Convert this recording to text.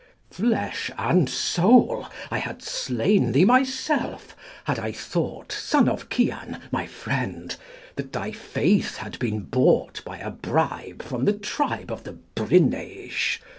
Flesh and soul, I had slain thee, myself, had I thought, Son of Cian, my friend, that thy faith had been bought By a bribe from the tribe of the Bryneish!